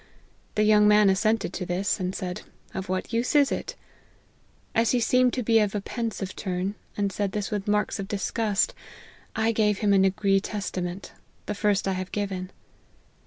The young man assented to this ; and said ' of what use is it !' As he seemed to be of a pensive turn, and said this with marks of disgust, I gave him a Nagree Testament ; the first I have given.